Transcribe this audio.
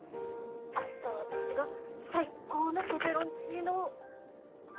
明日はうちが最高のペペロンチーノを。